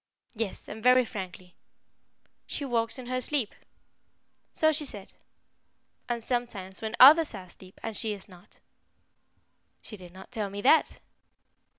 "Yes, and very frankly." "She walks in her sleep." "So she said." "And sometimes when others are asleep, and she is not." "She did not tell me that."